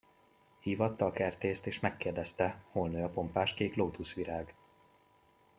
Hívatta a kertészt, és megkérdezte, hol nő a pompás kék lótuszvirág.